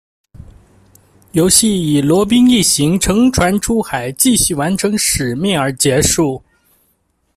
游戏以罗宾一行乘船出海继续完成使命而结束。